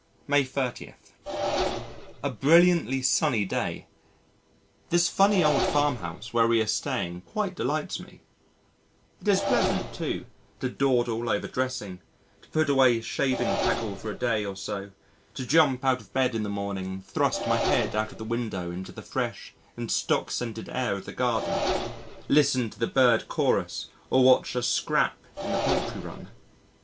May 30. A brilliantly sunny day. This funny old farm house where we are staying quite delights me. It is pleasant, too, to dawdle over dressing, to put away shaving tackle for a day or so, to jump out of bed in the morning and thrust my head out of the window into the fresh and stock scented air of the garden, listen to the bird chorus or watch a "scrap" in the poultry run.